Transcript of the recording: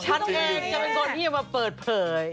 ฉันเองจะเป็นคนที่จะมาเปิดเผย